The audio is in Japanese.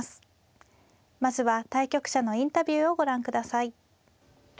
まずは対局者のインタビューをご覧ください。